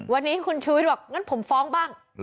วันนี้คุณชูวิทย์บอกงั้นผมฟ้องบ้าง